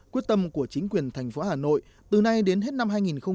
quyết tâm của chính quyền thành phố hà nội từ nay đến hết năm hai nghìn hai mươi